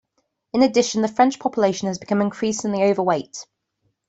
In addition, the French population has become increasingly overweight.